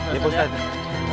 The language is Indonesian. iya pak ustadz